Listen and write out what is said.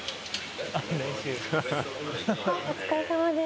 お疲れさまです。